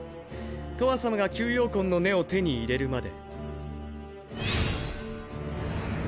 とわさまが吸妖魂の根を手に入れるまで。